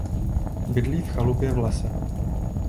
Bydlí v chalupě v lese.